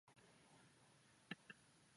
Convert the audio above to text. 这几天因为气温低